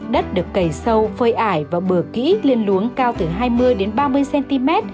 đất được cầy sâu phơi ải và bừa kỹ lên luống cao từ hai mươi ba mươi cm